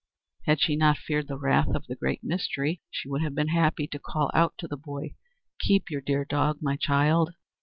Had she not feared the wrath of the Great Mystery, she would have been happy to call out to the boy: "Keep your dear dog, my child!"